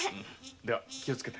では気をつけて。